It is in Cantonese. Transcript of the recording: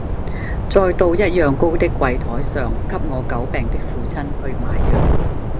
再到一樣高的櫃臺上給我久病的父親去買藥。